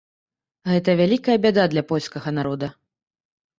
Гэта вялікая бяда для польскага народа.